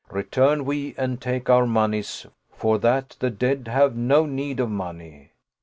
Return we and take our moneys, for that the dead have no need of money."